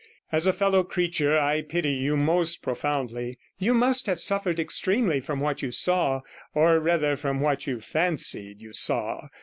As a fellow creature I pity you most profoundly; you must have suffered extremely from what you saw, or rather from what you fancied you saw.